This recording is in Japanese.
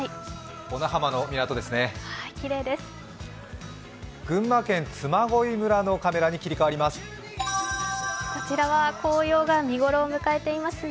小名浜の港ですね。